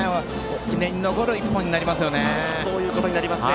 記念に残る１本になりますよね。